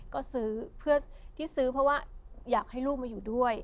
ก็ซื้อเพื่อที่ซื้อเพราะว่าอยากให้ลูกมาอยู่ด้วย